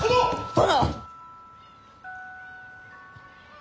殿！